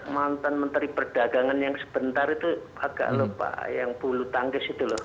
mantan menteri perdagangan yang sebentar itu pak gak loh pak yang puluh tangges itu loh